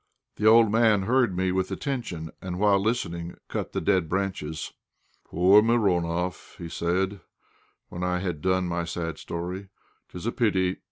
The old man heard me with attention, and, while listening, cut the dead branches. "Poor Mironoff!" said he, when I had done my sad story; "'tis a pity!